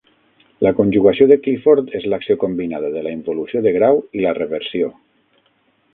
La conjugació de Clifford és l'acció combinada de la involució de grau i la reversió.